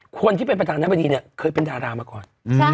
คนที่เป็นประธานาบดีเนี่ยเคยเป็นดารามาก่อน